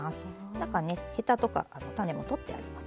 中ねヘタとか種も取ってあります。